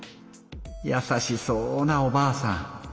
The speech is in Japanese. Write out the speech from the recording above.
やさしそうなおばあさん。